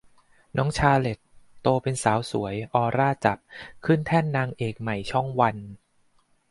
น้องชาร์เลท โตเป็นสาวสวย ออร่าจับ ขึ้นแท่นนางเอกใหม่ช่องวัน